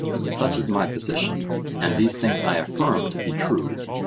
Such is my position, and these things I affirm to be true.